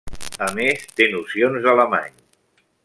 A més, té nocions d'alemany.